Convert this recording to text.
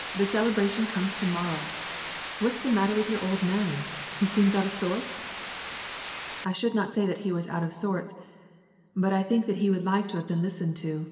" The celebration comes to morrow !— What's the matter with your old man ? He seems out of sorts ?'' 314 WAR AND PEACE, " I should not say that he was out of sorts, but I think that he would like to have been listened to."